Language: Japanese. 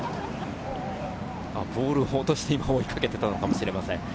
ボールを落として追いかけていたのかもしれません。